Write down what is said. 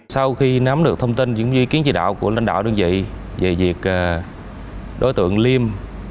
sau khi nắm được thông tin những duy kiến chỉ đạo của lãnh đạo đơn vị về việc đối tượng liêm